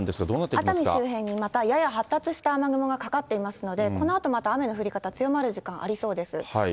熱海周辺にまたやや発達した雨雲がかかっていますので、このあとまた雨の降り方、強まる時間ありそうです。